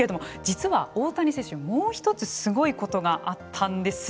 実は大谷選手もう一つすごいことがあったんです。